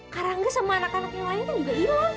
karangga sama anak anak yang lainnya juga hilang